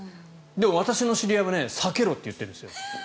でも私の知り合いは避けろって言ってるんですよ。